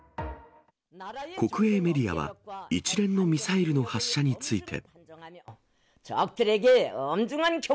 国営メディアは、一連のミサイルの発射について。